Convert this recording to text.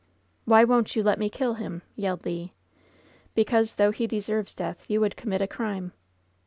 "Why won't you let me kill him t" yelled Le. "Because, though he deserves death, you would com mit a crime."